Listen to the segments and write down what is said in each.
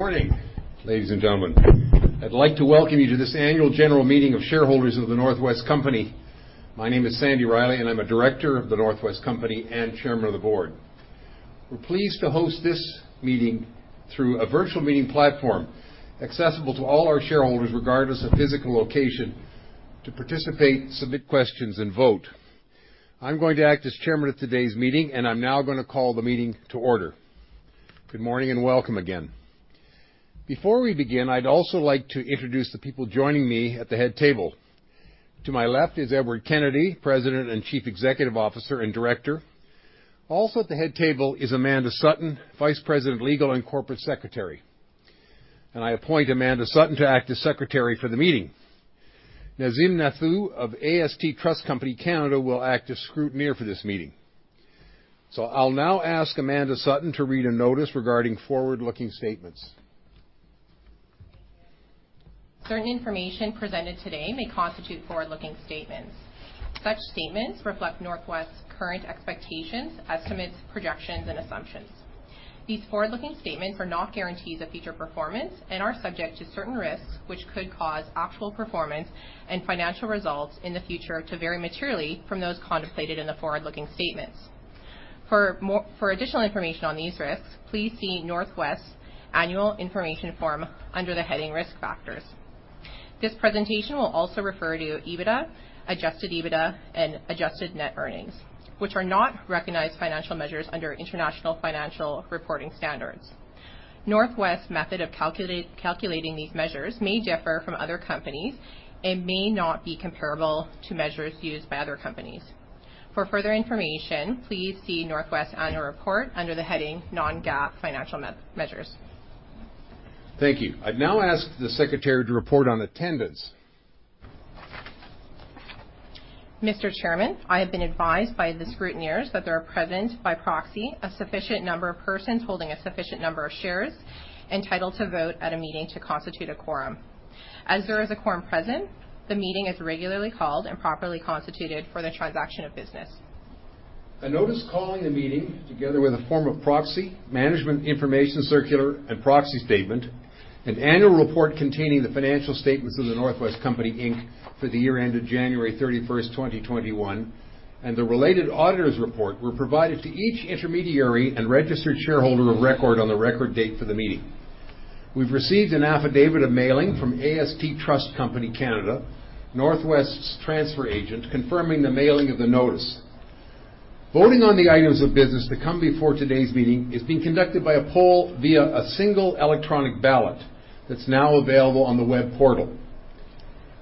Morning, ladies and gentlemen. I'd like to welcome you to this annual general meeting of shareholders of The North West Company. My name is Sandy Riley, and I'm a Director of The North West Company and Chairman of the Board. We're pleased to host this meeting through a virtual meeting platform accessible to all our shareholders, regardless of physical location, to participate, submit questions, and vote. I'm gonna act as Chairman at today's meeting, and I'm now gonna call the meeting to order. Good morning, and welcome again. Before we begin, I'd also like to introduce the people joining me at the head table. To my left is Edward Kennedy, President and Chief Executive Officer and Director. Also at the head table is Amanda Sutton, Vice President, Legal and Corporate Secretary. I appoint Amanda Sutton to act as Secretary for the meeting. Nazim Nathoo of AST Trust Company (Canada) will act as scrutineer for this meeting. I'll now ask Amanda Sutton to read a notice regarding forward-looking statements. Certain information presented today may constitute forward-looking statements. Such statements reflect North West's current expectations, estimates, projections, and assumptions. These forward-looking statements are not guarantees of future performance and are subject to certain risks, which could cause actual performance and financial results in the future to vary materially from those contemplated in the forward-looking statements. For additional information on these risks, please see North West's annual information form under the heading Risk Factors. This presentation will also refer to EBITDA, Adjusted EBITDA, and Adjusted Net Earnings, which are not recognized financial measures under International Financial Reporting Standards. North West's method of calculating these measures may differ from other companies and may not be comparable to measures used by other companies. For further information, please see North West's annual report under the heading Non-GAAP Financial Measures. Thank you. I'd now ask the secretary to report on attendance. Mr. Chairman, I have been advised by the scrutineers that there are present by proxy a sufficient number of persons holding a sufficient number of shares entitled to vote at a meeting to constitute a quorum. As there is a quorum present, the meeting is regularly called and properly constituted for the transaction of business. A notice calling a meeting, together with a form of proxy, management information circular and proxy statement, an annual report containing the financial statements of The North West Company Inc. for the year ended January 31, 2021, and the related auditor's report were provided to each intermediary and registered shareholder of record on the record date for the meeting. We've received an affidavit of mailing from AST Trust Company (Canada), North West's transfer agent, confirming the mailing of the notice. Voting on the items of business that come before today's meeting is being conducted by a poll via a single electronic ballot that's now available on the web portal.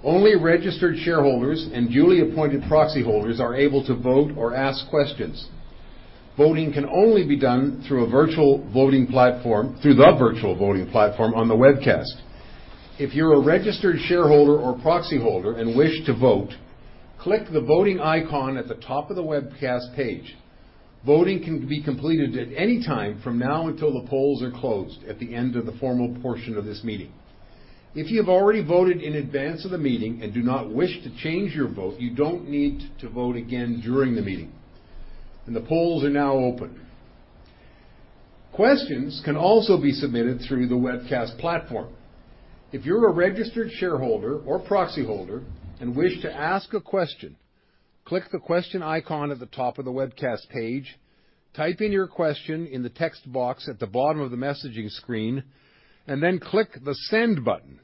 Only registered shareholders and duly appointed proxy holders are able to vote or ask questions. Voting can only be done through a virtual voting platform on the webcast. If you're a registered shareholder or proxy holder and wish to vote, click the voting icon at the top of the webcast page. Voting can be completed at any time from now until the polls are closed at the end of the formal portion of this meeting. If you have already voted in advance of the meeting and do not wish to change your vote, you don't need to vote again during the meeting. The polls are now open. Questions can also be submitted through the webcast platform. If you're a registered shareholder or proxy holder and wish to ask a question, click the question icon at the top of the webcast page, type in your question in the text box at the bottom of the messaging screen, and then click the send button.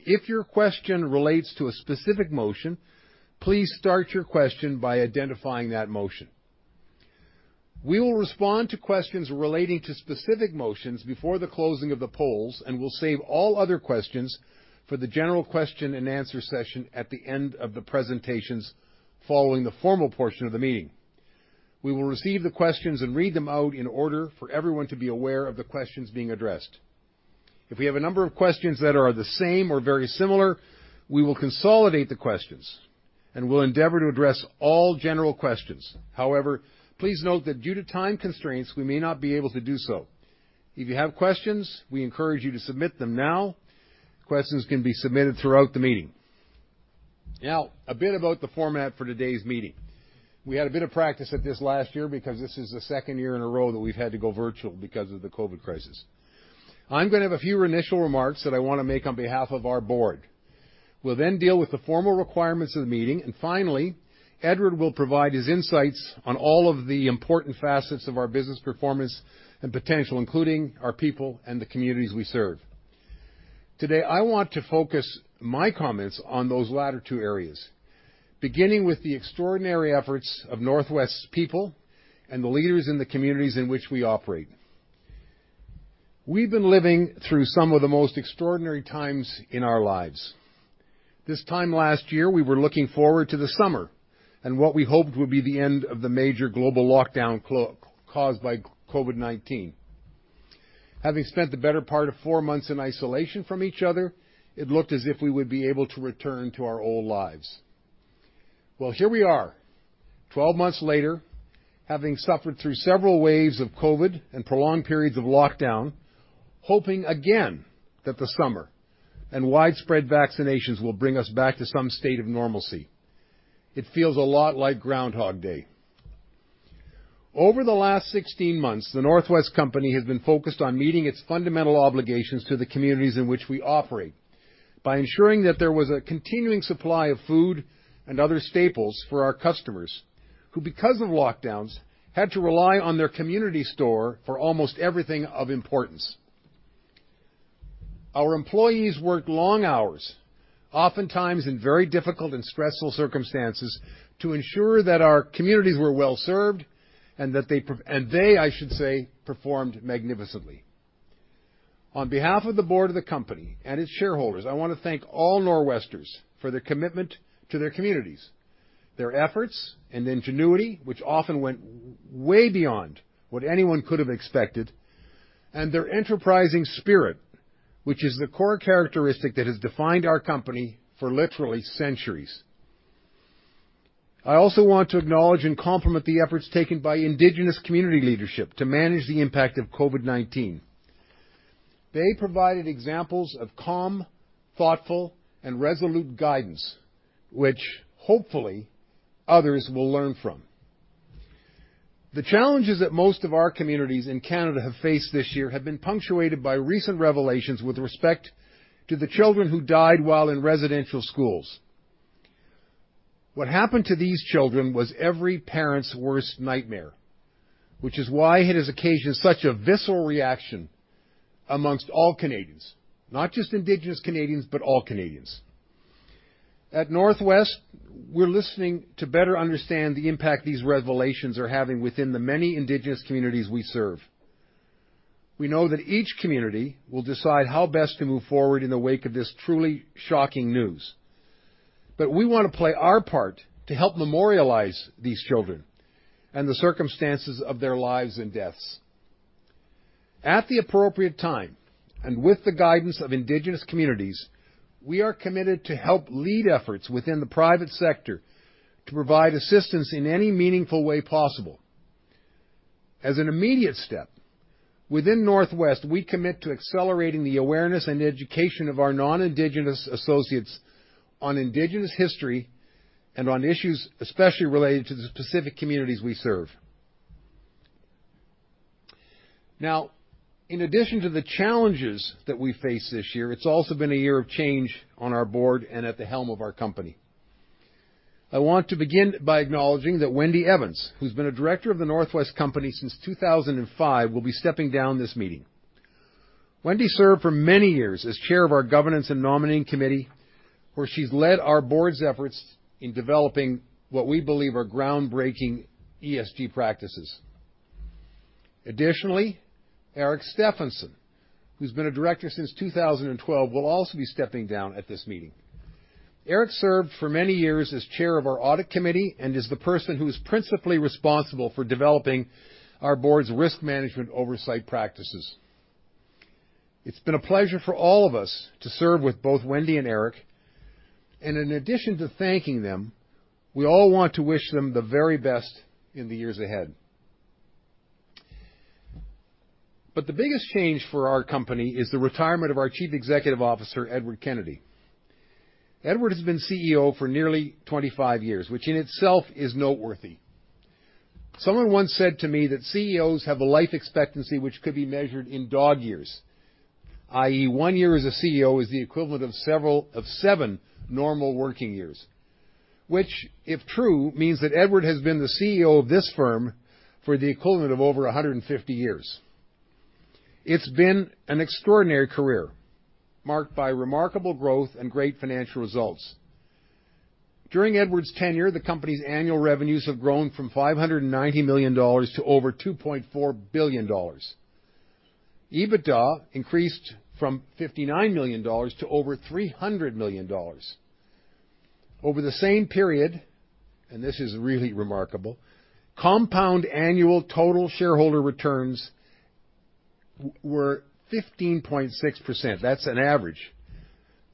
If your question relates to a specific motion, please start your question by identifying that motion. We will respond to questions relating to specific motions before the closing of the polls, and we'll save all other questions for the general question and answer session at the end of the presentations following the formal portion of the meeting. We will receive the questions and read them out in order for everyone to be aware of the questions being addressed. If we have a number of questions that are the same or very similar, we will consolidate the questions, and we'll endeavor to address all general questions. However, please note that due to time constraints, we may not be able to do so. If you have questions, we encourage you to submit them now. Questions can be submitted throughout the meeting. Now, a bit about the format for today's meeting. We had a bit of practice at this last year because this is the second year in a row that we've had to go virtual because of the COVID crisis. I'm gonna have a few initial remarks that I wanna make on behalf of our board. We'll then deal with the formal requirements of the meeting, and finally, Edward will provide his insights on all of the important facets of our business performance and potential, including our people and the communities we serve. Today, I want to focus my comments on those latter two areas, beginning with the extraordinary efforts of North West's people and the leaders in the communities in which we operate. We've been living through some of the most extraordinary times in our lives. This time last year, we were looking forward to the summer and what we hoped would be the end of the major global lockdown caused by COVID-19. Having spent the better part of four months in isolation from each other, it looked as if we would be able to return to our old lives. Well, here we are, 12 months later, having suffered through several waves of COVID and prolonged periods of lockdown, hoping again that the summer and widespread vaccinations will bring us back to some state of normalcy. It feels a lot like Groundhog Day. Over the last 16 months, The North West Company has been focused on meeting its fundamental obligations to the communities in which we operate by ensuring that there was a continuing supply of food and other staples for our customers, who, because of lockdowns, had to rely on their community store for almost everything of importance. Our employees worked long hours, oftentimes in very difficult and stressful circumstances, to ensure that our communities were well-served and that they, I should say, performed magnificently. On behalf of the board of the company and its shareholders, I wanna thank all Nor'westers for their commitment to their communities, their efforts and ingenuity, which often went way beyond what anyone could have expected, and their enterprising spirit, which is the core characteristic that has defined our company for literally centuries. I also want to acknowledge and compliment the efforts taken by Indigenous community leadership to manage the impact of COVID-19. They provided examples of calm, thoughtful, and resolute guidance, which, hopefully, others will learn from. The challenges that most of our communities in Canada have faced this year have been punctuated by recent revelations with respect to the children who died while in residential schools. What happened to these children was every parent's worst nightmare, which is why it has occasioned such a visceral reaction amongst all Canadians, not just Indigenous Canadians, but all Canadians. At North West, we're listening to better understand the impact these revelations are having within the many Indigenous communities we serve. We know that each community will decide how best to move forward in the wake of this truly shocking news, but we wanna play our part to help memorialize these children and the circumstances of their lives and deaths. At the appropriate time, and with the guidance of indigenous communities, we are committed to help lead efforts within the private sector to provide assistance in any meaningful way possible. As an immediate step, within North West, we commit to accelerating the awareness and education of our non-indigenous associates on indigenous history and on issues especially related to the specific communities we serve. In addition to the challenges that we faced this year, it's also been a year of change on our board and at the helm of our company. I want to begin by acknowledging that Wendy Evans, who's been a director of The North West Company since 2005, will be stepping down this meeting. Wendy served for many years as chair of our Governance and Nominating Committee, where she's led our board's efforts in developing what we believe are groundbreaking ESG practices. Eric L. Stefanson, who's been a director since 2012, will also be stepping down at this meeting. Eric served for many years as chair of our Audit Committee and is the person who is principally responsible for developing our board's risk management oversight practices. It's been a pleasure for all of us to serve with both Wendy and Eric, in addition to thanking them, we all want to wish them the very best in the years ahead. The biggest change for our company is the retirement of our Chief Executive Officer, Edward Kennedy. Edward has been CEO for nearly 25 years, which in itself is noteworthy. Someone once said to me that CEOs have a life expectancy which could be measured in dog years, i.e., 1 year as a CEO is the equivalent of 7 normal working years, which, if true, means that Edward has been the CEO of this firm for the equivalent of over 150 years. It's been an extraordinary career, marked by remarkable growth and great financial results. During Edward's tenure, the company's annual revenues have grown from 590 million dollars to over 2.4 billion dollars. EBITDA increased from 59 million dollars to over 300 million dollars. Over the same period, and this is really remarkable, compound annual total shareholder returns were 15.6%. That's an average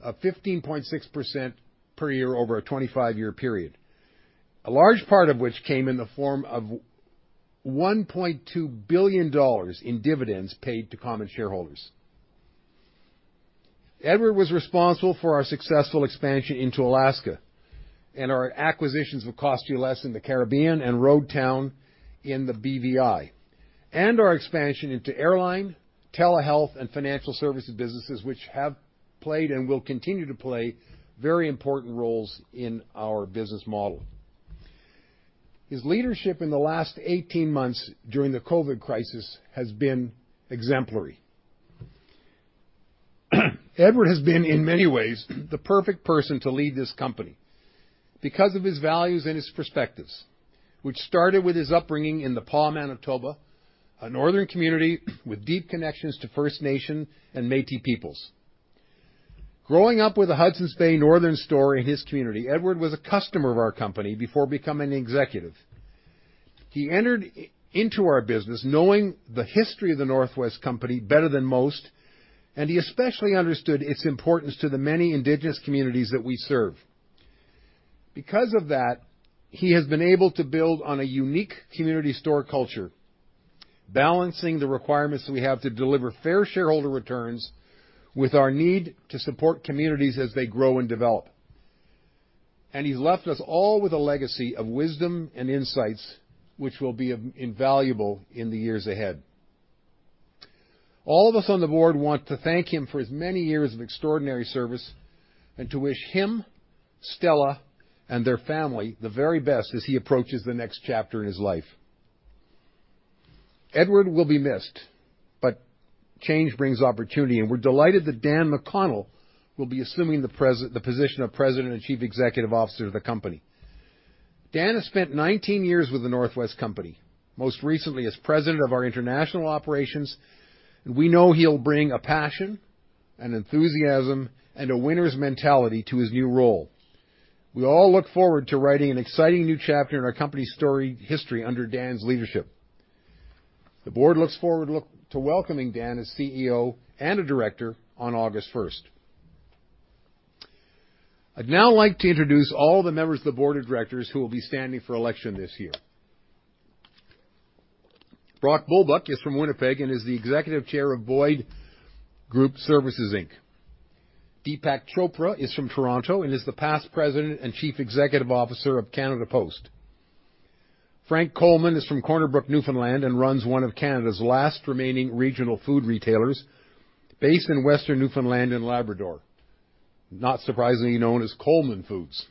of 15.6% per year over a 25-year period, a large part of which came in the form of 1.2 billion dollars in dividends paid to common shareholders. Edward was responsible for our successful expansion into Alaska and our acquisitions of Cost-U-Less in the Caribbean and Road Town in the BVI, and our expansion into airline, telehealth, and financial services businesses which have played and will continue to play very important roles in our business model. His leadership in the last 18 months during the COVID crisis has been exemplary. Edward has been, in many ways, the perfect person to lead this company because of his values and his perspectives, which started with his upbringing in The Pas, Manitoba, a northern community with deep connections to First Nation and Métis peoples. Growing up with a Hudson's Bay northern store in his community, Edward was a customer of our company before becoming an executive. He entered into our business knowing the history of The North West Company better than most. He especially understood its importance to the many indigenous communities that we serve. Because of that, he has been able to build on a unique community store culture, balancing the requirements that we have to deliver fair shareholder returns with our need to support communities as they grow and develop. He's left us all with a legacy of wisdom and insights, which will be invaluable in the years ahead. All of us on the board want to thank him for his many years of extraordinary service and to wish him, Stella, and their family the very best as he approaches the next chapter in his life. Edward will be missed, but change brings opportunity, and we're delighted that Dan McConnell will be assuming the position of President and Chief Executive Officer of The North West Company. Dan has spent 19 years with The North West Company, most recently as President of our international operations. We know he'll bring a passion, an enthusiasm, and a winner's mentality to his new role. We all look forward to writing an exciting new chapter in our company's storied history under Dan's leadership. The board looks forward to welcoming Dan as CEO and a Director on August 1st. I'd now like to introduce all the members of the board of directors who will be standing for election this year. Brock Bulbuck is from Winnipeg and is the Executive Chair of Boyd Group Services Inc. Deepak Chopra is from Toronto and is the Past President and Chief Executive Officer of Canada Post. Frank Coleman is from Corner Brook, Newfoundland, and runs one of Canada's last remaining regional food retailers based in Western Newfoundland and Labrador, not surprisingly known as Coleman Foods.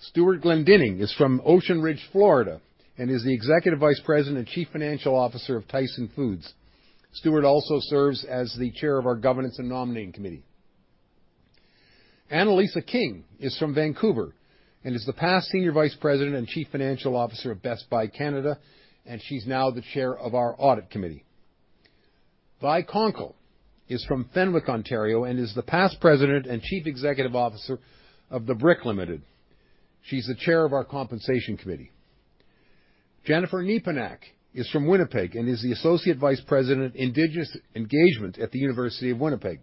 Stewart Glendinning is from Ocean Ridge, Florida, and is the Executive Vice President and Chief Financial Officer of Tyson Foods. Stewart also serves as the Chair of our Governance and Nominating Committee. Annalisa King is from Vancouver and is the Past Senior Vice President and Chief Financial Officer of Best Buy Canada, and she's now the Chair of our Audit Committee. Vi Konkle is from Fenwick, Ontario, and is the Past President and Chief Executive Officer of The Brick Ltd. She's the Chair of our Compensation Committee. Jennefer Nepinak is from Winnipeg and is the Associate Vice-President of Indigenous Engagement at The University of Winnipeg.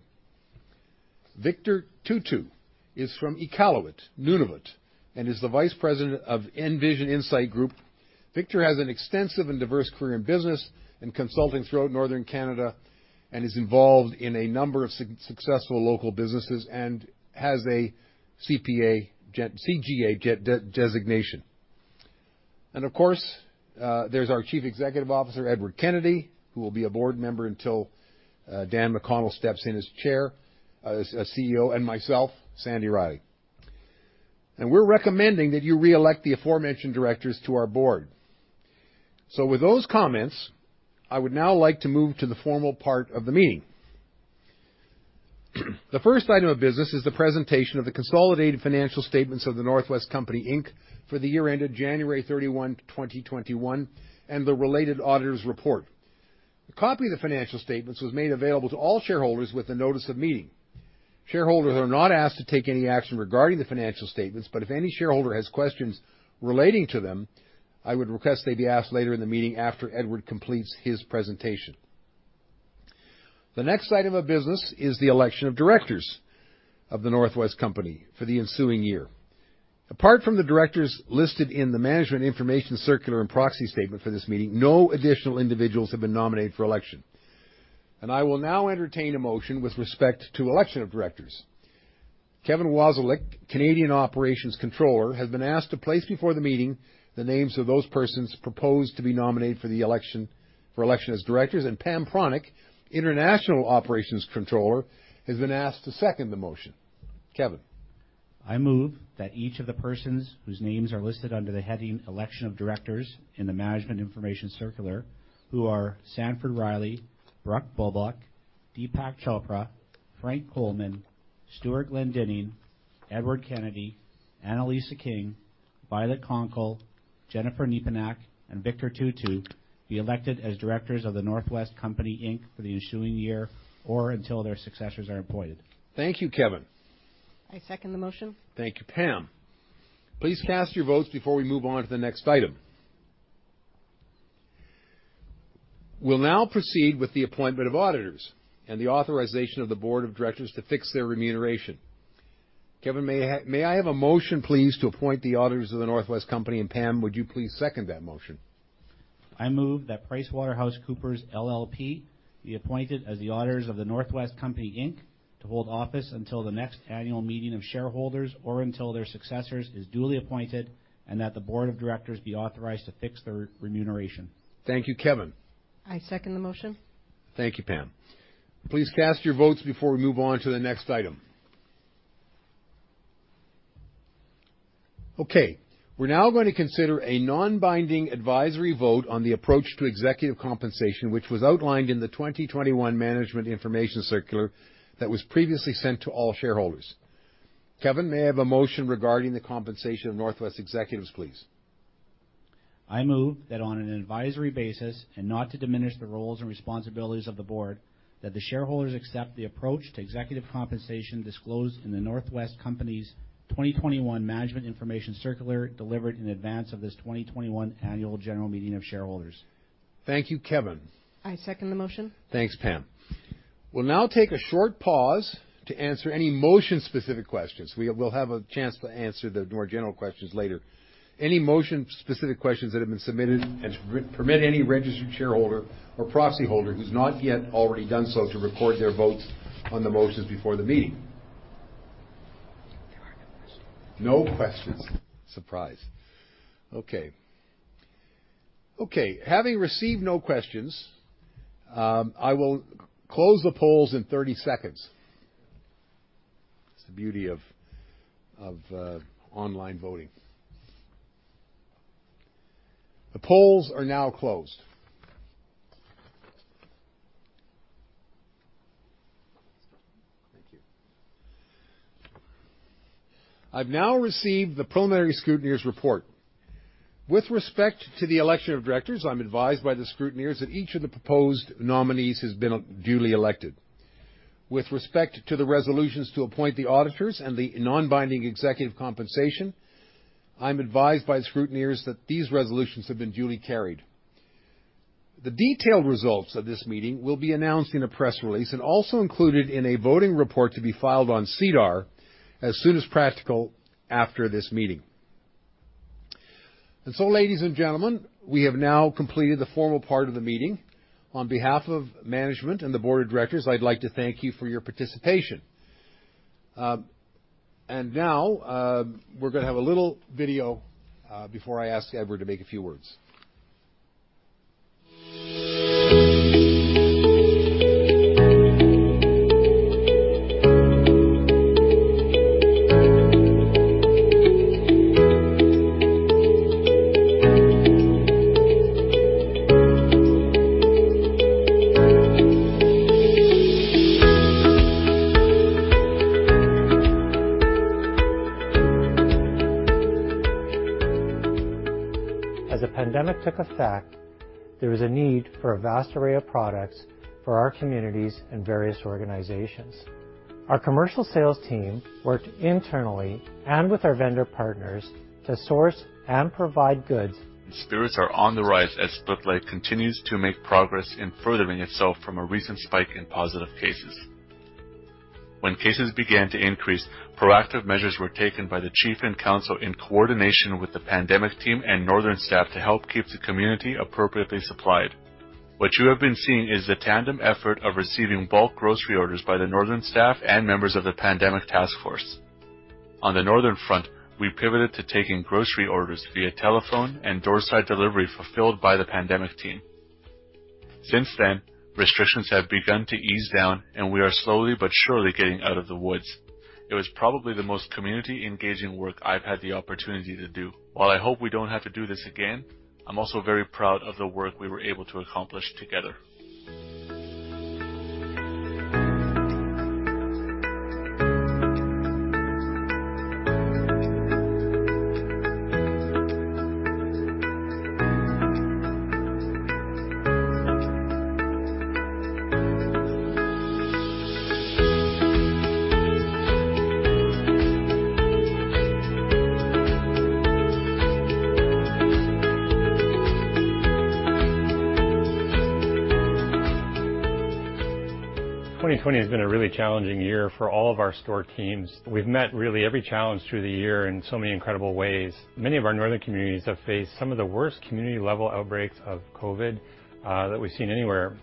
Victor Tootoo is from Iqaluit, Nunavut, and is the Vice-President of NVision Insight Group. Victor has an extensive and diverse career in business and consulting throughout Northern Canada and is involved in a number of successful local businesses and has a CPA-CGA designation. Of course, there's our Chief Executive Officer, Edward Kennedy, who will be a Board Member until Dan McConnell steps in as Chair, as CEO, and myself, Sandy Riley. We're recommending that you reelect the aforementioned directors to our board. With those comments, I would now like to move to the formal part of the meeting. The first item of business is the presentation of the consolidated financial statements of The North West Company Inc. for the year ended January 31, 2021, and the related auditor's report. A copy of the financial statements was made available to all shareholders with the notice of meeting. Shareholders are not asked to take any action regarding the financial statements, but if any shareholder has questions relating to them, I would request they be asked later in the meeting after Edward completes his presentation. The next item of business is the election of directors of The North West Company for the ensuing year. Apart from the directors listed in the management information circular and proxy statement for this meeting, no additional individuals have been nominated for election. I will now entertain a motion with respect to election of directors. Kevin Wasiluk, Canadian Operations Controller, has been asked to place before the meeting the names of those persons proposed to be nominated for the election, for election as directors, and Pam Pronek, International Operations Controller, has been asked to second the motion. Kevin? I move that each of the persons whose names are listed under the heading Election of Directors in the Management Information Circular, who are Sanford Riley, Brock Bulbuck, Deepak Chopra, Frank Coleman, Stewart Glendinning, Edward Kennedy, Annalisa King, Violet Konkle, Jennefer Nepinak, and Victor Tootoo, be elected as directors of The North West Company Inc. for the ensuing year or until their successors are appointed. Thank you, Kevin. I second the motion. Thank you, Pam. Please cast your votes before we move on to the next item. We'll now proceed with the appointment of auditors and the authorization of the Board of Directors to fix their remuneration. Kevin, may I have a motion, please, to appoint the auditors of The North West Company. Pam, would you please second that motion? I move that PricewaterhouseCoopers LLP be appointed as the auditors of The North West Company Inc. to hold office until the next annual meeting of shareholders or until their successors is duly appointed and that the board of directors be authorized to fix their remuneration. Thank you, Kevin. I second the motion. Thank you, Pam. Please cast your votes before we move on to the next item. Okay, we're now going to consider a non-binding advisory vote on the approach to executive compensation, which was outlined in the 2021 Management Information Circular that was previously sent to all shareholders. Kevin, may I have a motion regarding the compensation of North West executives, please? I move that on an advisory basis, and not to diminish the roles and responsibilities of the board, that the shareholders accept the approach to executive compensation disclosed in The North West Company's 2021 Management Information Circular delivered in advance of this 2021 annual general meeting of shareholders. Thank you, Kevin. I second the motion. Thanks, Pam. We'll now take a short pause to answer any motion-specific questions. We'll have a chance to answer the more general questions later. Any motion-specific questions that have been submitted and to permit any registered shareholder or proxy holder who's not yet already done so to record their votes on the motions before the meeting. No questions. Surprise. Okay. Okay, having received no questions, I will close the polls in 30 seconds. It's the beauty of online voting. The polls are now closed. Thank you. I've now received the preliminary scrutineers report. With respect to the election of directors, I'm advised by the scrutineers that each of the proposed nominees has been duly elected. With respect to the resolutions to appoint the auditors and the non-binding executive compensation, I'm advised by the scrutineers that these resolutions have been duly carried. The detailed results of this meeting will be announced in a press release and also included in a voting report to be filed on SEDAR as soon as practical after this meeting. Ladies and gentlemen, we have now completed the formal part of the meeting. On behalf of management and the board of directors, I'd like to thank you for your participation. And now, we're gonna have a little video, before I ask Edward to make a few words. As the pandemic took effect, there was a need for a vast array of products for our communities and various organizations. Our commercial sales team worked internally and with our vendor partners to source and provide goods. Spirits are on the rise as Split Lake continues to make progress in furthering itself from a recent spike in positive cases. When cases began to increase, proactive measures were taken by the chief and council in coordination with the pandemic team and Northern staff to help keep the community appropriately supplied. What you have been seeing is the tandem effort of receiving bulk grocery orders by the Northern staff and members of the pandemic task force. On the Northern front, we pivoted to taking grocery orders via telephone and door-side delivery fulfilled by the pandemic team. Since then, restrictions have begun to ease down, and we are slowly but surely getting out of the woods. It was probably the most community-engaging work I've had the opportunity to do. While I hope we don't have to do this again, I'm also very proud of the work we were able to accomplish together. 2020 has been a really challenging year for all of our store teams. We've met really every challenge through the year in so many incredible ways. Many of our Northern communities have faced some of the worst community-level outbreaks of COVID that we've seen anywhere.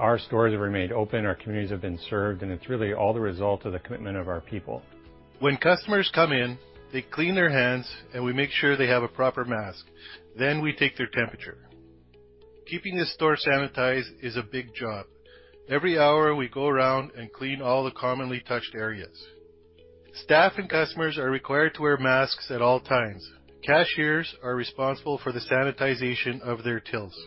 Our stores have remained open, our communities have been served. It's really all the result of the commitment of our people. When customers come in, they clean their hands. We make sure they have a proper mask. We take their temperature. Keeping the store sanitized is a big job. Every hour, we go around and clean all the commonly touched areas. Staff and customers are required to wear masks at all times. Cashiers are responsible for the sanitization of their tills.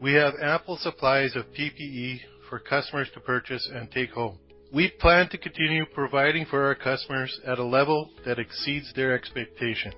We have ample supplies of PPE for customers to purchase and take home. We plan to continue providing for our customers at a level that exceeds their expectations.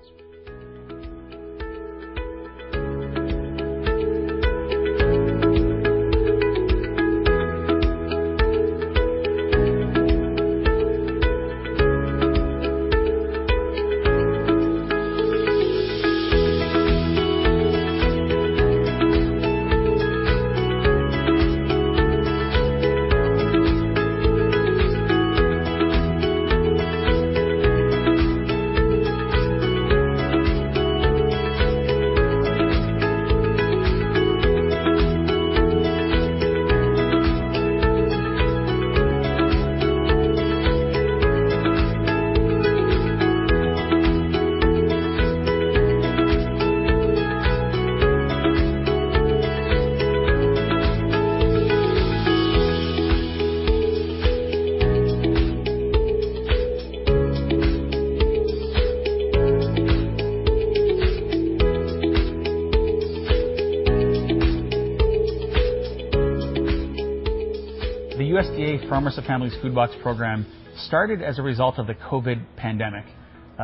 The USDA Farmers to Families Food Box Program started as a result of the COVID pandemic.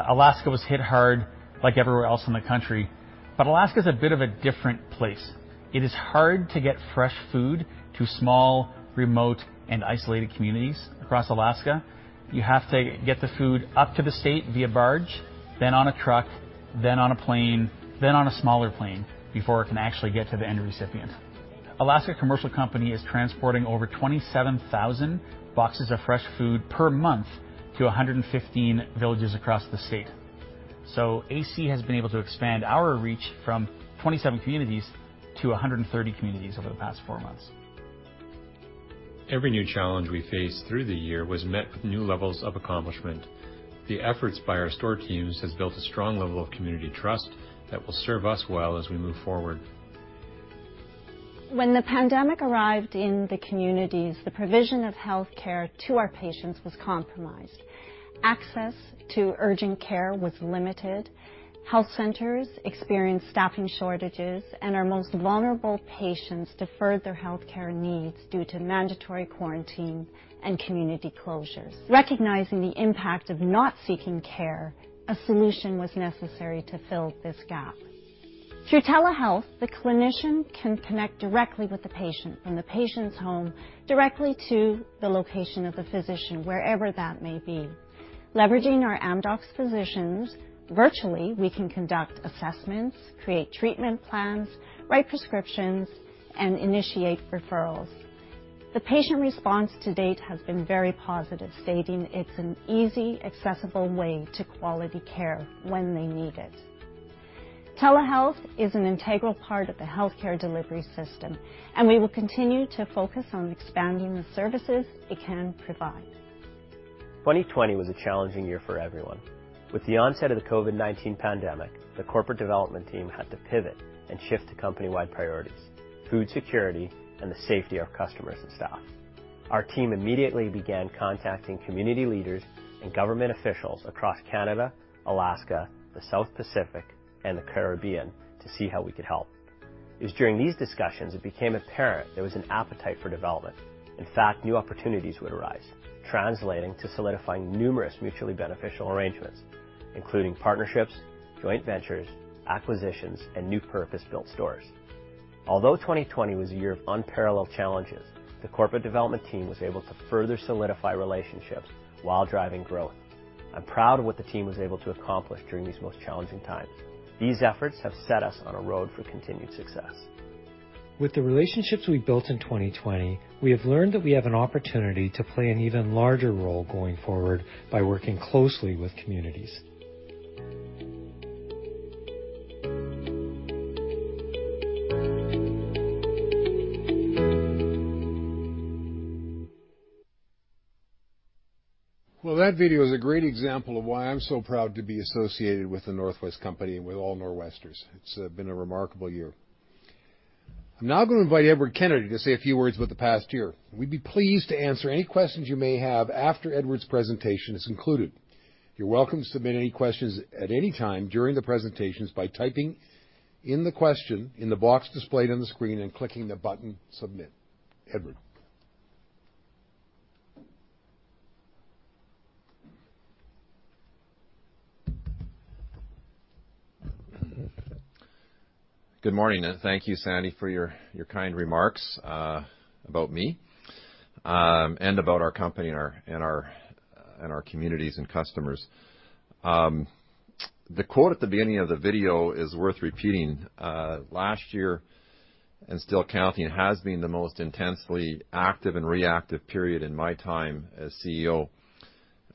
Alaska was hit hard like everywhere else in the country, Alaska is a bit of a different place. It is hard to get fresh food to small, remote, and isolated communities across Alaska. You have to get the food up to the state via barge, then on a truck, then on a plane, then on a smaller plane before it can actually get to the end recipient. Alaska Commercial Company is transporting over 27,000 boxes of fresh food per month to 115 villages across the state. AC has been able to expand our reach from 27 communities to 130 communities over the past 4 months. Every new challenge we faced through the year was met with new levels of accomplishment. The efforts by our store teams has built a strong level of community trust that will serve us well as we move forward. When the pandemic arrived in the communities, the provision of healthcare to our patients was compromised. Access to urgent care was limited, health centers experienced staffing shortages, and our most vulnerable patients deferred their healthcare needs due to mandatory quarantine and community closures. Recognizing the impact of not seeking care, a solution was necessary to fill this gap. Through telehealth, the clinician can connect directly with the patient from the patient's home directly to the location of the physician, wherever that may be. Leveraging our Amdocs physicians, virtually, we can conduct assessments, create treatment plans, write prescriptions, and initiate referrals. The patient response to date has been very positive, stating it's an easy, accessible way to quality care when they need it. Telehealth is an integral part of the healthcare delivery system, and we will continue to focus on expanding the services it can provide. 2020 was a challenging year for everyone. With the onset of the COVID-19 pandemic, the corporate development team had to pivot and shift to company-wide priorities, food security, and the safety of customers and staff. Our team immediately began contacting community leaders and government officials across Canada, Alaska, the South Pacific, and the Caribbean to see how we could help. It was during these discussions, it became apparent there was an appetite for development. In fact, new opportunities would arise, translating to solidifying numerous mutually beneficial arrangements, including partnerships, joint ventures, acquisitions, and new purpose-built stores. Although 2020 was a year of unparalleled challenges, the corporate development team was able to further solidify relationships while driving growth. I'm proud of what the team was able to accomplish during these most challenging times. These efforts have set us on a road for continued success. With the relationships we built in 2020, we have learned that we have an opportunity to play an even larger role going forward by working closely with communities. That video is a great example of why I'm so proud to be associated with The North West Company and with all Nor'westers. It's been a remarkable year. I'm now gonna invite Edward Kennedy to say a few words about the past year. We'd be pleased to answer any questions you may have after Edward's presentation is concluded. You're welcome to submit any questions at any time during the presentations by typing in the question in the box displayed on the screen and clicking the button Submit. Edward. Good morning, thank you, Sandy, for your kind remarks about me and about our company and our communities and customers. The quote at the beginning of the video is worth repeating, last year and still counting has been the most intensely active and reactive period in my time as CEO.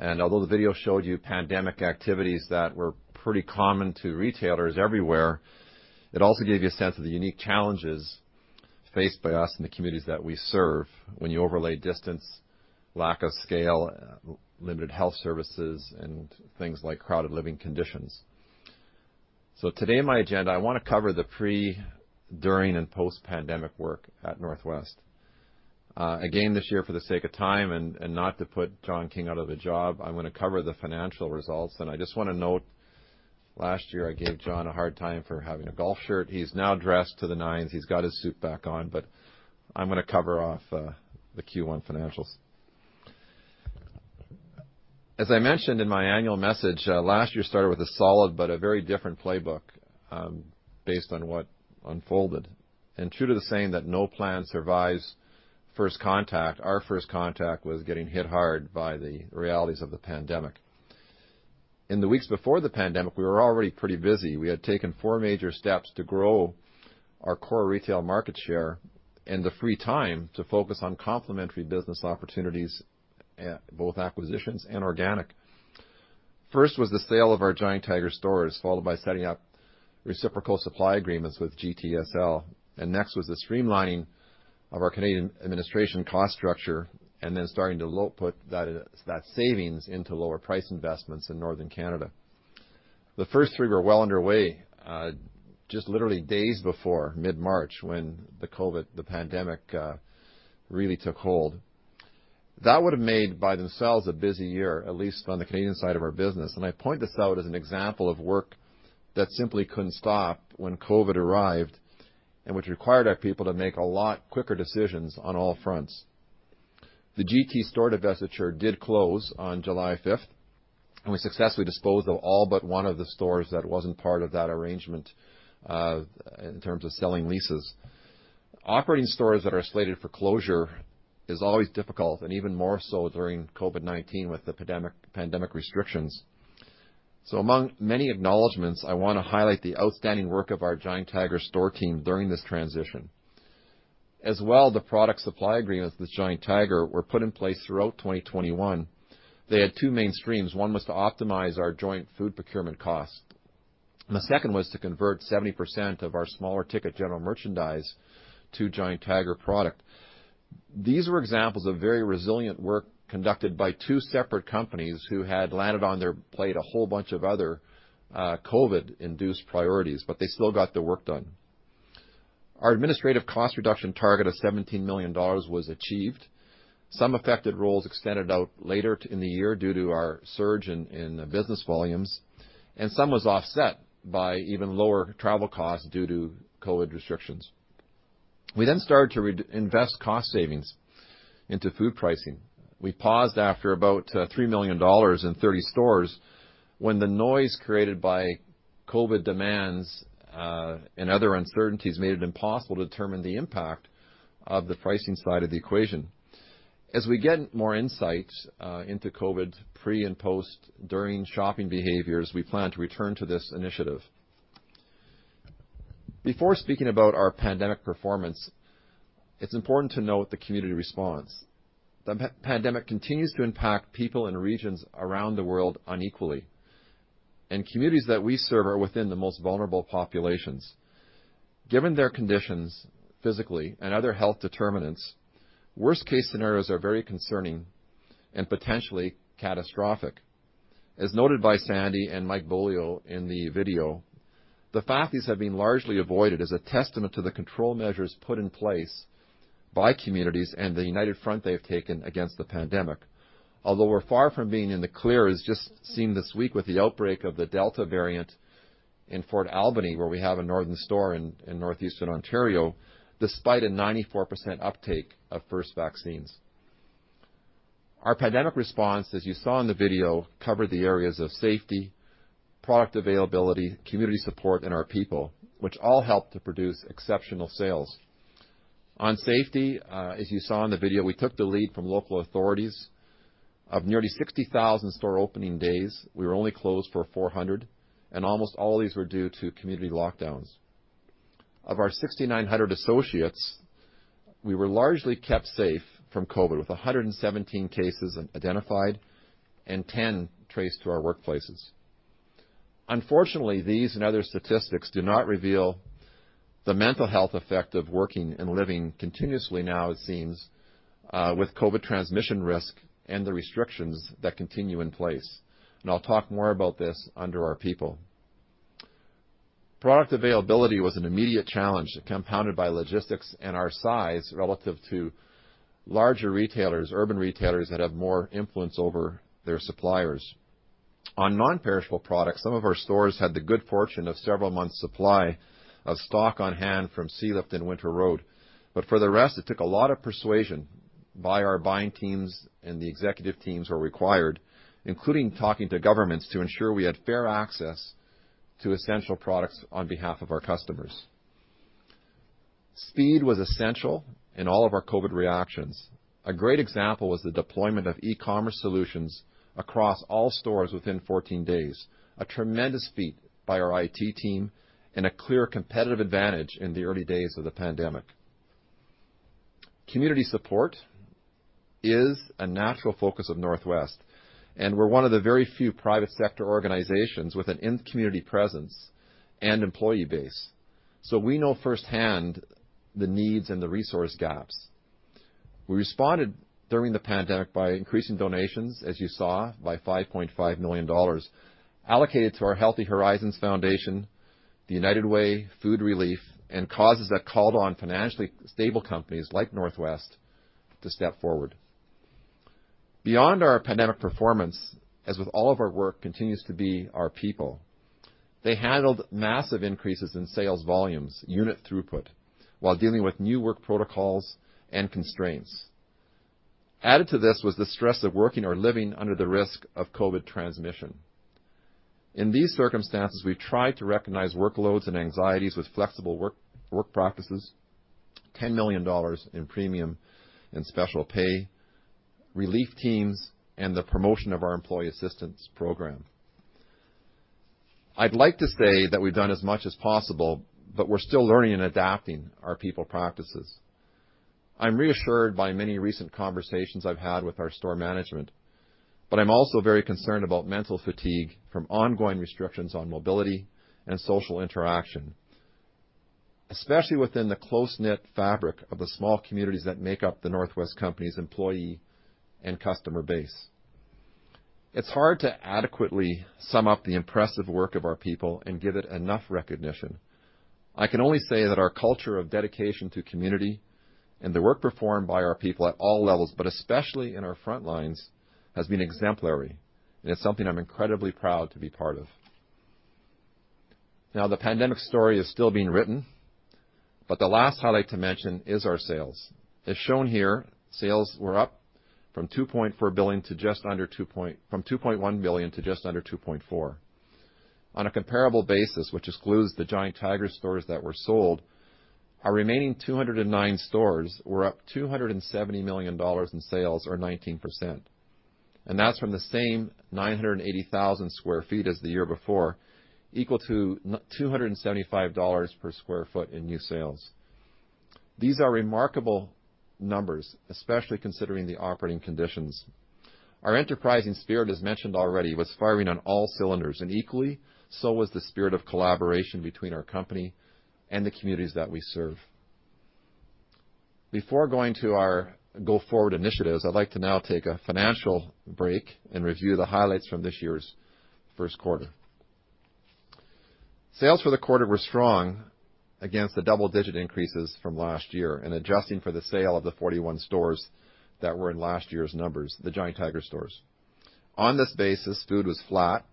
Although the video showed you pandemic activities that were pretty common to retailers everywhere, it also gave you a sense of the unique challenges faced by us in the communities that we serve when you overlay distance, lack of scale, limited health services, and things like crowded living conditions. Today, my agenda, I want to cover the pre, during and post-pandemic work at The North West Company. Again, this year for the sake of time and not to put John King out of a job, I'm gonna cover the financial results. I just wanna note, last year, I gave John a hard time for having a golf shirt. He's now dressed to the nines. He's got his suit back on, but I'm gonna cover off the Q1 financials. As I mentioned in my annual message, last year started with a solid but a very different playbook, based on what unfolded. True to the saying that no plan survives first contact, our first contact was getting hit hard by the realities of the pandemic. In the weeks before the pandemic, we were already pretty busy. We had taken four major steps to grow our core retail market share and the free time to focus on complementary business opportunities at both acquisitions and organic. First was the sale of our Giant Tiger stores, followed by setting up reciprocal supply agreements with GTSL. Next was the streamlining of our Canadian administration cost structure and then starting to put that savings into lower price investments in Northern Canada. The first three were well underway, just literally days before mid-March when the COVID, the pandemic, really took hold. That would have made by themselves a busy year, at least on the Canadian side of our business. I point this out as an example of work that simply couldn't stop when COVID arrived and which required our people to make a lot quicker decisions on all fronts. The GT store divestiture did close on July 5th, we successfully disposed of all but one of the stores that wasn't part of that arrangement, in terms of selling leases. Operating stores that are slated for closure is always difficult and even more so during COVID-19 with the pandemic restrictions. Among many acknowledgments, I wanna highlight the outstanding work of our Giant Tiger store team during this transition. The product supply agreements with Giant Tiger were put in place throughout 2021. They had two main streams. One was to optimize our joint food procurement cost. And the second was to convert 70% of our smaller ticket general merchandise to Giant Tiger product. These were examples of very resilient work conducted by two separate companies who had landed on their plate a whole bunch of other, COVID-induced priorities, but they still got their work done. Our administrative cost reduction target of 17 million dollars was achieved. Some affected roles extended out later in the year due to our surge in business volumes, and some was offset by even lower travel costs due to COVID restrictions. We started to invest cost savings into food pricing. We paused after about, 3 million dollars in 30 stores when the noise created by COVID demands, and other uncertainties made it impossible to determine the impact of the pricing side of the equation. As we get more insight, into COVID pre and post, during shopping behaviors, we plan to return to this initiative. Before speaking about our pandemic performance, it's important to note the community response. The pandemic continues to impact people and regions around the world unequally, and communities that we serve are within the most vulnerable populations. Given their conditions physically and other health determinants, worst-case scenarios are very concerning and potentially catastrophic. As noted by Sandy and Mike Beaulieu in the video, the fact these have been largely avoided is a testament to the control measures put in place by communities and the united front they have taken against the pandemic. Although we're far from being in the clear, as just seen this week with the outbreak of the Delta variant in Fort Albany, where we have a Northern store in northeastern Ontario, despite a 94% uptake of first vaccines. Our pandemic response, as you saw in the video, covered the areas of safety, product availability, community support, and our people, which all helped to produce exceptional sales. On safety, as you saw in the video, we took the lead from local authorities. Of nearly 60,000 store opening days, we were only closed for 400, and almost all of these were due to community lockdowns. Of our 6,900 associates, we were largely kept safe from COVID, with 117 cases identified and 10 traced to our workplaces. Unfortunately, these and other statistics do not reveal the mental health effect of working and living continuously now, it seems, with COVID transmission risk and the restrictions that continue in place. I'll talk more about this under our people. Product availability was an immediate challenge, compounded by logistics and our size relative to larger retailers, urban retailers that have more influence over their suppliers. On non-perishable products, some of our stores had the good fortune of several months' supply of stock on hand from sealift and winter road. For the rest, it took a lot of persuasion by our buying teams, and the executive teams were required, including talking to governments, to ensure we had fair access to essential products on behalf of our customers. Speed was essential in all of our COVID reactions. A great example was the deployment of e-commerce solutions across all stores within 14 days, a tremendous feat by our IT team and a clear competitive advantage in the early days of the pandemic. Community support is a natural focus of North West, and we're one of the very few private sector organizations with an in-community presence and employee base, so we know firsthand the needs and the resource gaps. We responded during the pandemic by increasing donations, as you saw, by 5.5 million dollars allocated to our Healthy Horizons Foundation, the United Way Food Relief, and causes that called on financially stable companies like North West to step forward. Beyond our pandemic performance, as with all of our work, continues to be our people. They handled massive increases in sales volumes, unit throughput, while dealing with new work protocols and constraints. Added to this was the stress of working or living under the risk of COVID transmission. In these circumstances, we tried to recognize workloads and anxieties with flexible work practices, 10 million dollars in premium and special pay, relief teams, and the promotion of our employee assistance program. I'd like to say that we've done as much as possible, but we're still learning and adapting our people practices. I'm reassured by many recent conversations I've had with our store management, but I'm also very concerned about mental fatigue from ongoing restrictions on mobility and social interaction, especially within the close-knit fabric of the small communities that make up The North West Company's employee and customer base. It's hard to adequately sum up the impressive work of our people and give it enough recognition. I can only say that our culture of dedication to community and the work performed by our people at all levels, but especially in our front lines, has been exemplary, and it's something I'm incredibly proud to be part of. The pandemic story is still being written, but the last highlight to mention is our sales. As shown here, sales were up from 2.1 billion to just under 2.4 billion. On a comparable basis, which excludes the Giant Tiger stores that were sold, our remaining 209 stores were up 270 million dollars in sales or 19%. That's from the same 980,000 sq ft as the year before, equal to 275 dollars per sq ft in new sales. These are remarkable numbers, especially considering the operating conditions. Our enterprising spirit, as mentioned already, was firing on all cylinders, and equally, so was the spirit of collaboration between our company and the communities that we serve. Before going to our go-forward initiatives, I'd like to now take a financial break and review the highlights from this year's first quarter. Sales for the quarter were strong against the double-digit increases from last year and adjusting for the sale of the 41 stores that were in last year's numbers, the Giant Tiger stores. On this basis, food was flat,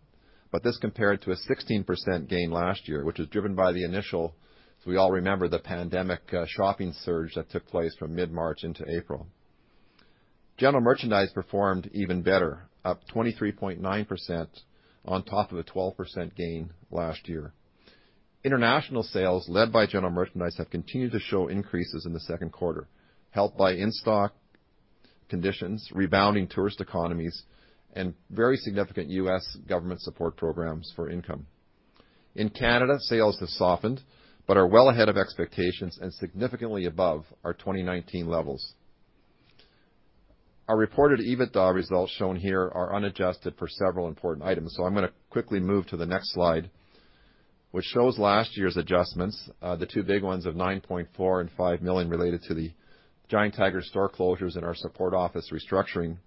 but this compared to a 16% gain last year, which was driven by the initial, as we all remember, the pandemic shopping surge that took place from mid-March into April. General merchandise performed even better, up 23.9% on top of a 12% gain last year. International sales, led by general merchandise, have continued to show increases in the second quarter, helped by in-stock conditions, rebounding tourist economies, and very significant U.S. government support programs for income. In Canada, sales have softened but are well ahead of expectations and significantly above our 2019 levels. Our reported EBITDA results shown here are unadjusted for several important items, I'm going to quickly move to the next slide, which shows last year's adjustments, the two big ones of 9.4 million and 5 million related to the Giant Tiger store closures and our support office restructuring.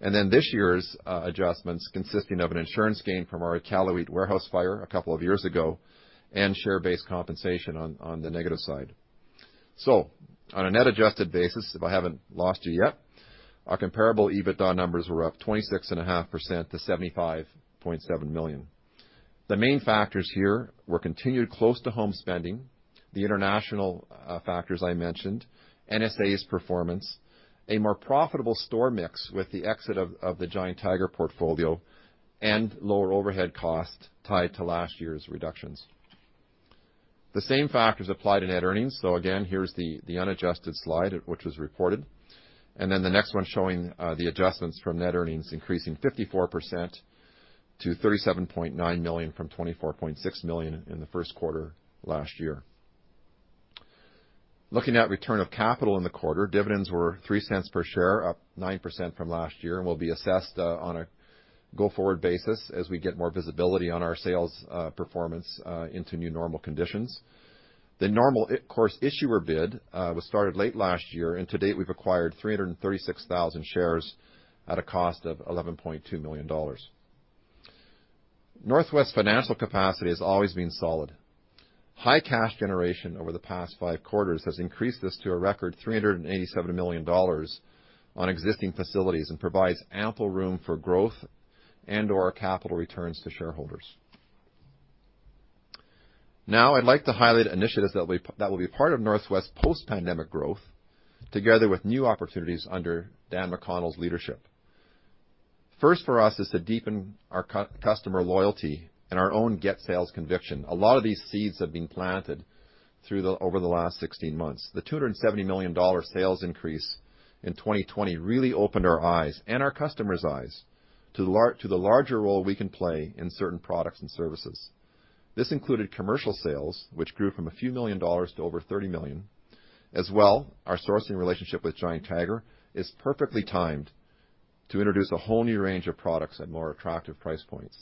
This year's adjustments consisting of an insurance gain from our Iqaluit warehouse fire a couple of years ago and share-based compensation on the negative side. On a net adjusted basis, if I haven't lost you yet, our comparable EBITDA numbers were up 26.5% to 75.7 million. The main factors here were continued close-to-home spending, the international factors I mentioned, NSA's performance, a more profitable store mix with the exit of the Giant Tiger portfolio, and lower overhead costs tied to last year's reductions. The same factors apply to net earnings. Again, here's the unadjusted slide which was reported. The next one showing the adjustments from net earnings increasing 54% to 37.9 million from 24.6 million in the first quarter last year. Looking at return of capital in the quarter, dividends were 0.03 per share, up 9% from last year, will be assessed on a go-forward basis as we get more visibility on our sales performance into new normal conditions. The Normal Course Issuer Bid was started late last year, to date, we've acquired 336,000 shares at a cost of 11.2 million dollars. North West's financial capacity has always been solid. High cash generation over the past 5 quarters has increased this to a record 387 million dollars on existing facilities and provides ample room for growth and/or capital returns to shareholders. Now I'd like to highlight initiatives that will be part of North West's post-pandemic growth together with new opportunities under Dan McConnell's leadership. First for us is to deepen our customer loyalty and our own get sales conviction. A lot of these seeds have been planted through the, over the last 16 months. The 270 million dollar sales increase in 2020 really opened our eyes and our customers' eyes to the larger role we can play in certain products and services. This included commercial sales, which grew from a few million CAD to over 30 million. As well, our sourcing relationship with Giant Tiger is perfectly timed to introduce a whole new range of products at more attractive price points.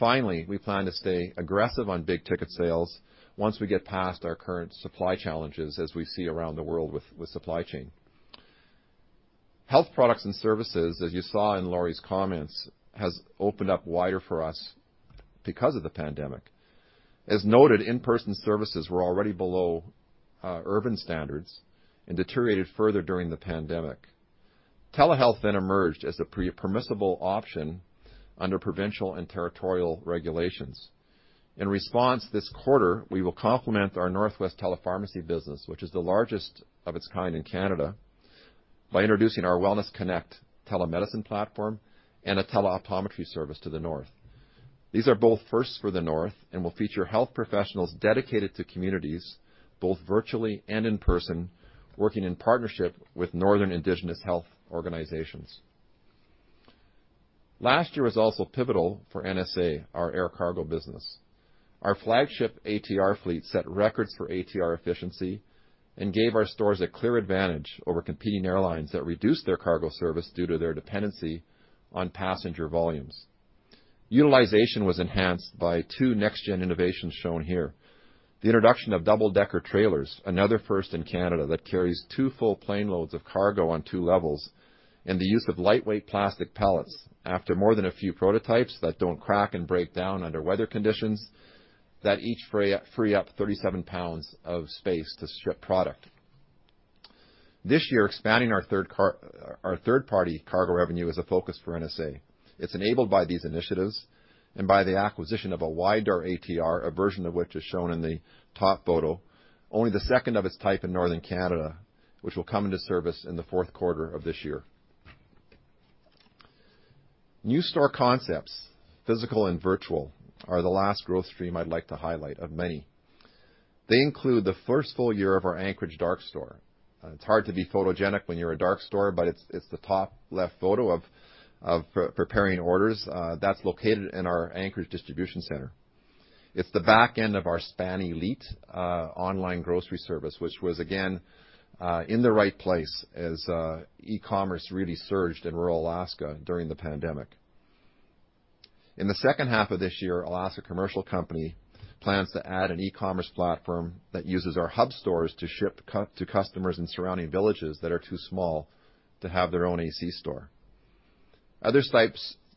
Finally, we plan to stay aggressive on big-ticket sales once we get past our current supply challenges as we see around the world with supply chain. Health products and services, as you saw in Laurie's comments, has opened up wider for us because of the pandemic. As noted, in-person services were already below urban standards and deteriorated further during the pandemic. Telehealth emerged as a permissible option under provincial and territorial regulations. In response, this quarter, we will complement our North West telepharmacy business, which is the largest of its kind in Canada, by introducing our WellnessConnect telemedicine platform and a teleoptometry service to the North. These are both firsts for the North and will feature health professionals dedicated to communities, both virtually and in person, working in partnership with Northern Indigenous health organizations. Last year was also pivotal for NSA, our air cargo business. Our flagship ATR fleet set records for ATR efficiency and gave our stores a clear advantage over competing airlines that reduced their cargo service due to their dependency on passenger volumes. Utilization was enhanced by two next-gen innovations shown here. The introduction of double-decker trailers, another first in Canada that carries two full plane loads of cargo on two levels, and the use of lightweight plastic pallets after more than a few prototypes that don't crack and break down under weather conditions that each free up 37 pounds of space to strip product. This year, expanding our third-party cargo revenue is a focus for NSA. It's enabled by these initiatives and by the acquisition of a wider ATR, a version of which is shown in the top photo, only the second of its type in Northern Canada, which will come into service in the fourth quarter of this year. New store concepts, physical and virtual, are the last growth stream I'd like to highlight of many. They include the first full year of our Anchorage dark store. It's hard to be photogenic when you're a dark store, but it's the top left photo of preparing orders, that's located in our Anchorage distribution center. It's the back end of our Span Elite online grocery service, which was again in the right place as e-commerce really surged in rural Alaska during the pandemic. In the second half of this year, Alaska Commercial Company plans to add an e-commerce platform that uses our hub stores to ship to customers in surrounding villages that are too small to have their own AC store. Other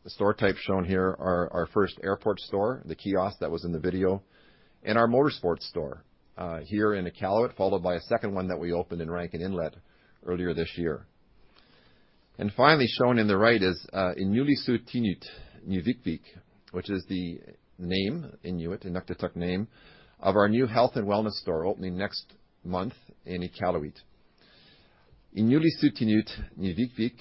store types shown here are our first airport store, the kiosk that was in the video, and our Motorsports store, here in Iqaluit, followed by a second one that we opened in Rankin Inlet earlier this year. Finally, shown in the right is Inuulisautinut Niuvirvik, which is the Inuktitut name of our new health and wellness store opening next month in Iqaluit. Inuulisautinut Niuvirvik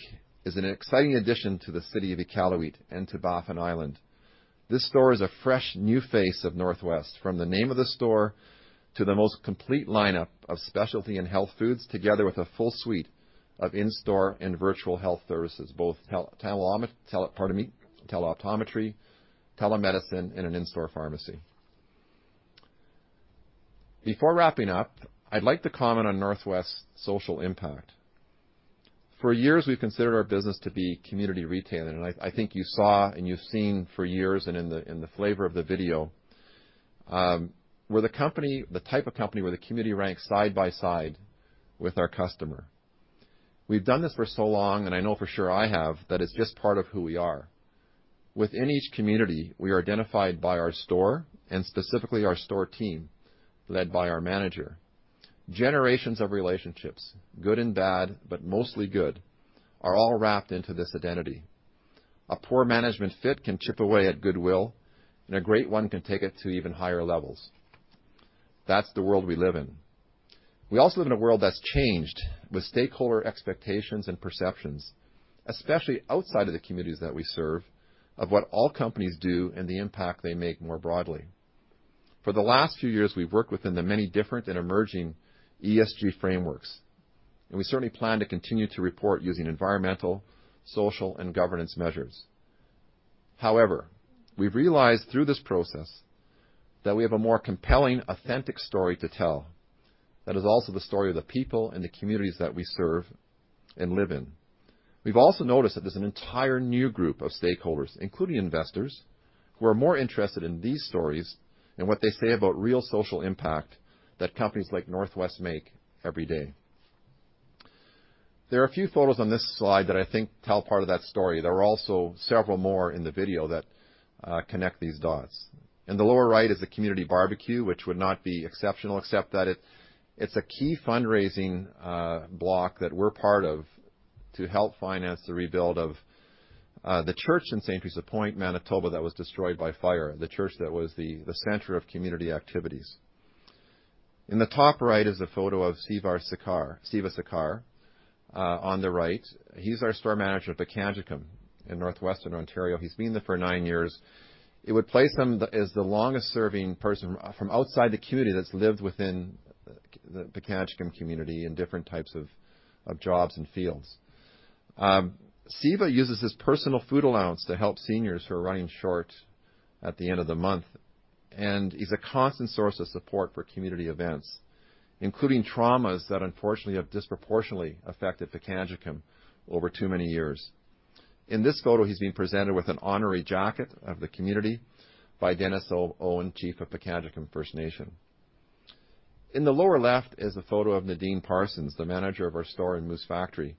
is an exciting addition to the city of Iqaluit and to Baffin Island. This store is a fresh, new face of North West, from the name of the store to the most complete lineup of specialty and health foods, together with a full suite of in-store and virtual health services, both pardon me, teleoptometry, telemedicine, and an in-store pharmacy. Before wrapping up, I'd like to comment on North West's social impact. For years, we've considered our business to be community retailing, I think you saw and you've seen for years and in the, in the flavor of the video, we're the company, the type of company where the community ranks side by side with our customer. We've done this for so long, I know for sure I have, that it's just part of who we are. Within each community, we are identified by our store, specifically our store team, led by our manager. Generations of relationships, good and bad, but mostly good, are all wrapped into this identity. A poor management fit can chip away at goodwill, and a great one can take it to even higher levels. That's the world we live in. We also live in a world that's changed with stakeholder expectations and perceptions, especially outside of the communities that we serve, of what all companies do and the impact they make more broadly. For the last few years, we've worked within the many different and emerging ESG frameworks, and we certainly plan to continue to report using environmental, social, and governance measures. However, we've realized through this process that we have a more compelling, authentic story to tell that is also the story of the people and the communities that we serve and live in. We've also noticed that there's an entire new group of stakeholders, including investors, who are more interested in these stories and what they say about real social impact that companies like North West make every day. There are a few photos on this slide that I think tell part of that story. There are also several more in the video that connect these dots. In the lower right is a community barbecue, which would not be exceptional, except that it's a key fundraising block that we're part of to help finance the rebuild of the church in St. Theresa Point, Manitoba, that was destroyed by fire, the church that was the center of community activities. In the top right is a photo of Siva Sekar on the right. He's our store manager at Pikangikum in northwestern Ontario. He's been there for nine years. It would place him the, as the longest serving person from outside the community that's lived within the Pikangikum community in different types of jobs and fields. Siva uses his personal food allowance to help seniors who are running short at the end of the month, and he's a constant source of support for community events, including traumas that unfortunately have disproportionately affected Pikangikum over too many years. In this photo, he's being presented with an honorary jacket of the community by Dean Owen, Chief of Pikangikum First Nation. In the lower left is a photo of Nadine Parsons, the manager of our store in Moose Factory,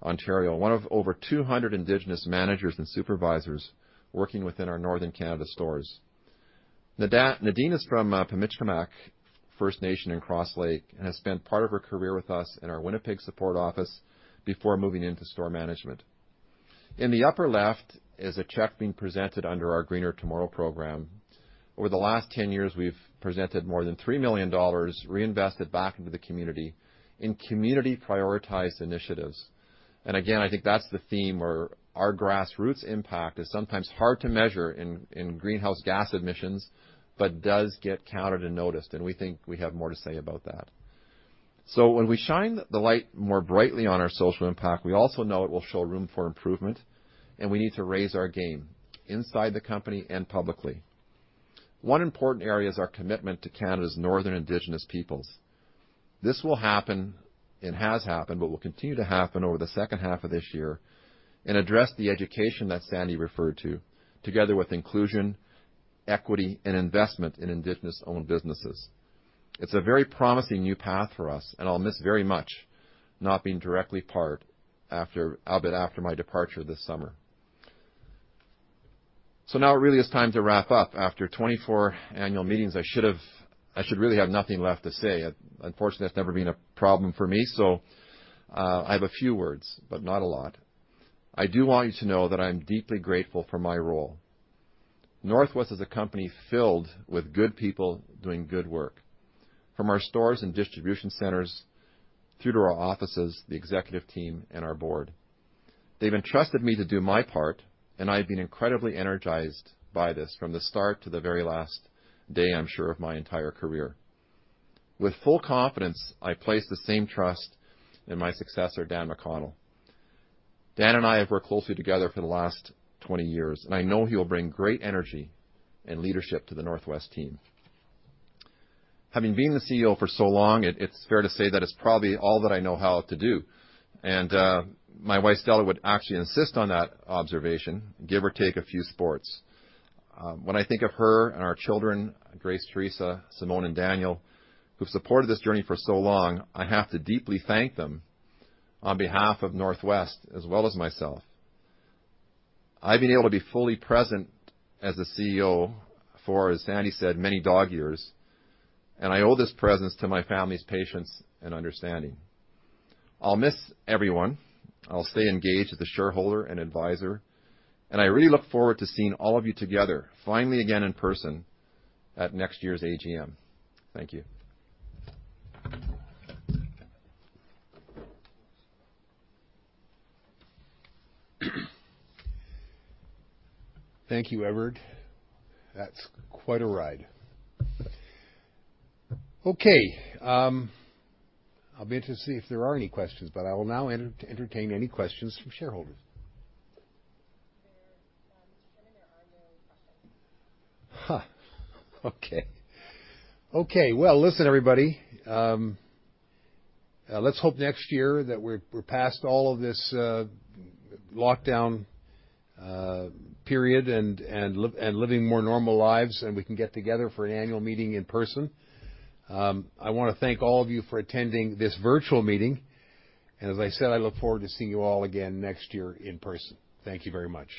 Ontario, one of over 200 Indigenous managers and supervisors working within our Northern Canada stores. Nadine is from Pimicikamak First Nation in Cross Lake and has spent part of her career with us in our Winnipeg support office before moving into store management. In the upper left is a check being presented under our Greener Tomorrow program. Over the last 10 years, we've presented more than 3 million dollars reinvested back into the community in community-prioritized initiatives. Again, I think that's the theme where our grassroots impact is sometimes hard to measure in greenhouse gas emissions, but does get counted and noticed, and we think we have more to say about that. When we shine the light more brightly on our social impact, we also know it will show room for improvement, and we need to raise our game inside the company and publicly. One important area is our commitment to Canada's northern Indigenous peoples. This will happen, and has happened, but will continue to happen over the second half of this year and address the education that Sandy referred to, together with inclusion, equity, and investment in Indigenous-owned businesses. It's a very promising new path for us, and I'll miss very much not being directly part of it after my departure this summer. Now it really is time to wrap up. After 24 annual meetings, I should really have nothing left to say. Unfortunately, that's never been a problem for me, so I have a few words, but not a lot. I do want you to know that I'm deeply grateful for my role. North West is a company filled with good people doing good work, from our stores and distribution centers through to our offices, the executive team, and our board. They've entrusted me to do my part, and I've been incredibly energized by this from the start to the very last day, I'm sure, of my entire career. With full confidence, I place the same trust in my successor, Dan McConnell. Dan and I have worked closely together for the last 20 years, and I know he will bring great energy and leadership to the North West team. Having been the CEO for so long, it's fair to say that it's probably all that I know how to do, and my wife, Stella, would actually insist on that observation, give or take a few sports. When I think of her and our children, Grace, Theresa, Simone, and Daniel, who've supported this journey for so long, I have to deeply thank them on behalf of North West as well as myself. I've been able to be fully present as the CEO for, as Sandy said, many dog years. I owe this presence to my family's patience and understanding. I'll miss everyone. I'll stay engaged as a shareholder and advisor. I really look forward to seeing all of you together finally again in person at next year's AGM. Thank you. Thank you, Edward. That's quite a ride. Okay, I'll wait to see if there are any questions, but I will now entertain any questions from shareholders. Mr. Chairman, there are no questions. Ha. Okay. Okay. Well, listen, everybody, let's hope next year that we're past all of this lockdown period and living more normal lives, and we can get together for an annual meeting in person. I wanna thank all of you for attending this virtual meeting, and as I said, I look forward to seeing you all again next year in person. Thank you very much.